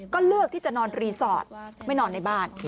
ก็เลือกที่จะนอนรีสอร์ทไม่นอนในบ้าน